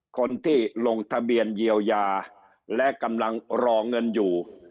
คนที่ลงทะเบียนเยียวยาและกำลังรอเงินอยู่